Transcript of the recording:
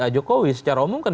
jokowi secara umum kan